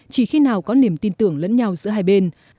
chỉ khi nào có niềm tin tưởng lẫn nhau giữa hai bên